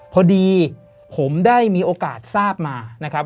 พอดีผมได้มีโอกาสทราบมานะครับ